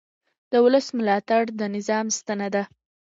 د ولس ملاتړ د نظام ستنه ده